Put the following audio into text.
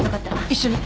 一緒に。